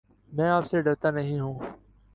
میں آپ سے ڈرتا نہیں ہوں